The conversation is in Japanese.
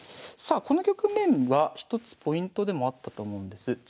さあこの局面は一つポイントでもあったと思うんです。